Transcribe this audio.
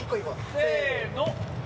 せの！